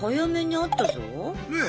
ねえ！